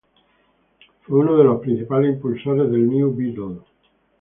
Fue uno de los principales impulsores del New Beetle.